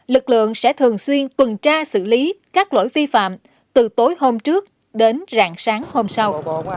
lực lượng sẽ thường xuyên tuần tra xử lý các lỗi vi phạm từ tối hôm trước đến rạng sáng hôm sau